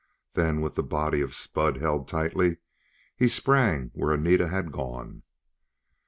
Then, with the body of Spud held tightly, he sprang where Anita had gone.